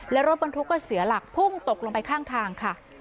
และรถบรรทุกก็เสียหลักพุ่งตกลงไปข้างทางค่ะ